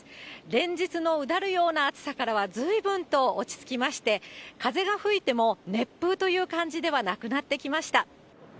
連日のうだるような暑さからはずいぶんと落ち着きまして、風が吹いても、熱風という感じではなくなってきました。